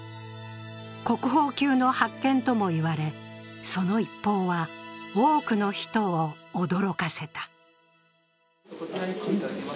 国宝級の発見とも言われ、その一報は多くの人を驚かせた。